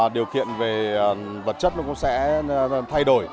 điều kiện về vật chất nó cũng sẽ thay đổi